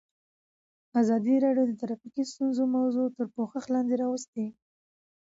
ازادي راډیو د ټرافیکي ستونزې موضوع تر پوښښ لاندې راوستې.